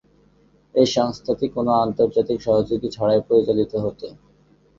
এই সংস্থাটি কোন আন্তর্জাতিক সহযোগী ছাড়াই পরিচালিত হতো।